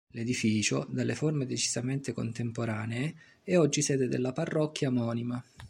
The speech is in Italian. L'edificio, dalle forme decisamente contemporanee, è oggi sede della parrocchia omonima.